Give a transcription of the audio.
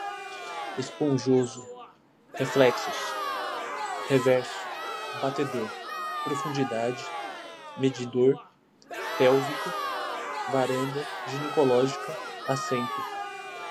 esponjoso, reflexos, reverso, batedor, profundidade, medidor, pélvico, varandas, ginecológica, assento